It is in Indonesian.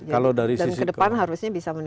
kalau dari sisi keuntungan